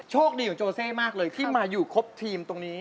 ดีของโจเซ่มากเลยที่มาอยู่ครบทีมตรงนี้